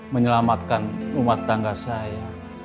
menyelamatkan rumah tangga saya